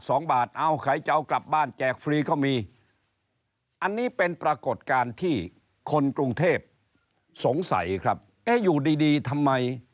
สงสัยครับแม่อยู่ดีทำไม